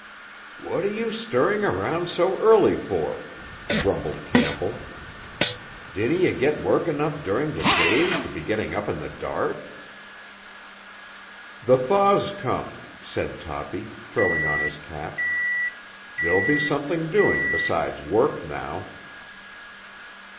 "What are you stirring around so early for?" grumbled Campbell. "Dinna ye get work enough during the day, to be getting up in the dark?" "The thaw's come," said Toppy, throwing on his cap. "There'll be something doing besides work now."